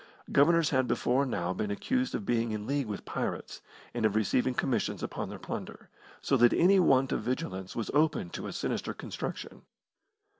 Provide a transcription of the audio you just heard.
Governors had before now been accused of being in league with pirates, and of receiving commissions upon their plunder, so that any want of vigilance was open to a sinister construction.